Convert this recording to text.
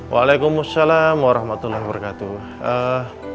waalaikumsalam warahmatullahi wabarakatuh